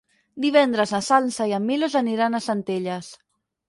Divendres na Sança i en Milos aniran a Centelles.